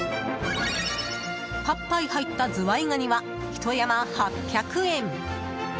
８杯入ったズワイガニは１山８００円。